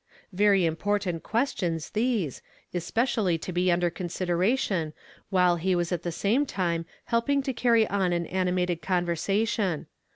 Very important questions these, especially to be under consideration while he was at the same time helping to carry on an animated conversa tion.